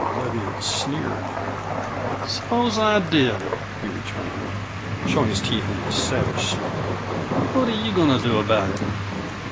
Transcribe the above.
Leviatt sneered. "Suppose I did?" he returned, showing his teeth in a savage snarl. "What are you goin' to do about it?"